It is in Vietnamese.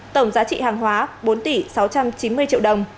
tổng giá trị hàng hóa bốn tỷ sáu trăm chín mươi triệu đồng